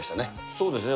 そうですね。